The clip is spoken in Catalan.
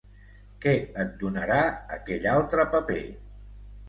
Què et donarà aquell altre paper?